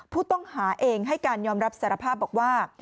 ผู้ต้องหาเองให้การยอมรับสารภาพบอกว่า